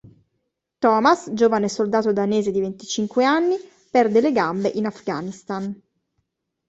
Thomas, giovane soldato danese di venticinque anni, perde le gambe in Afghanistan.